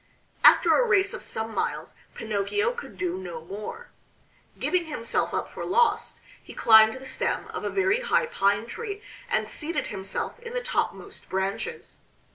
After a race of some miles Pinocchio could do no more. Giving himself up for lost he climbed the stem of a very high pine tree and seated himself in the topmost branches.